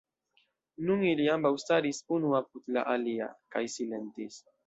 Nun ili ambaŭ staris unu apud la alia, kaj silentis.